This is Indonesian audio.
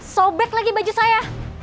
sobek lagi baju saya